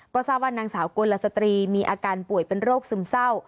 ก็ทราบว่านางสาวกลสตรีมีอาการป่วยเป็นโรคซึมเศร้า